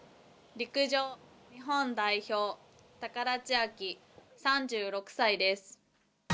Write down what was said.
陸上日本代表高田千明、３６歳です。